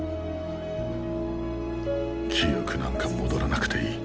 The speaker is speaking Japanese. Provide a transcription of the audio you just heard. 記憶なんか戻らなくていい。